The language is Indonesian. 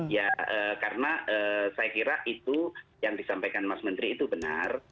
ya karena saya kira itu yang disampaikan mas menteri itu benar